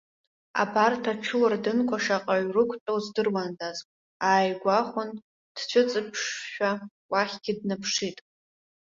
Абарҭ аҽыуардынқәа шаҟаҩ рықәтәоу здыруандаз, ааигәахәын, дцәыҵыԥшшәа уахьгьы днаԥшит.